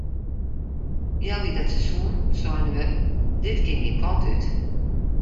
Healwei dat seizoen seinen we dit kin gjin kant út.